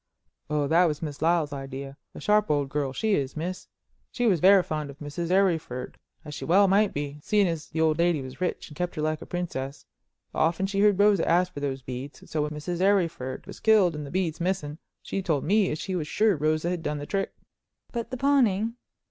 "Oh, that was Miss Lyle's idea; a sharp old girl she is, miss. She was very fond of Mrs. Arryford, as she well might be, seeing as the old lady was rich and kept her like a princess. Often she heard Rosa ask for those beads, so when Mrs. Arryford was killed and the beads missing she told me as she was sure Rosa had done the trick." "But the pawning?"